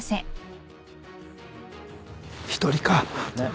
１人か。